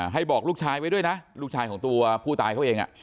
ให้บอกลูกชายไว้ด้วยนะลูกชายของตัวผู้ตายเขาเอง